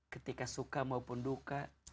ketika suka maupun duka